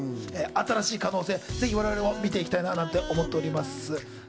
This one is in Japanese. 新しい可能性、ぜひ我々も見ていきたいなと思っております。